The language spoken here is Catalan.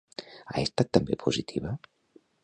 Ha estat també positiva?